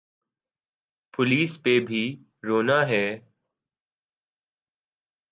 Police پہ بھی رونا ہے۔